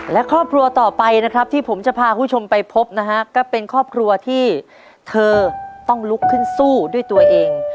และครอบครัวต่อไปนะครับที่ผมจะพาคุณผู้ชมไปพบนะฮะก็เป็นครอบครัวที่เธอต้องลุกขึ้นสู้ด้วยตัวเอง